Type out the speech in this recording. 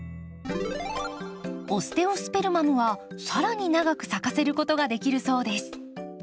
オステオスペルマムは更に長く咲かせることができるそうです。